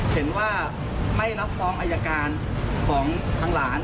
เห็นว่าไม่รับฟ้องอายการของทางหลาน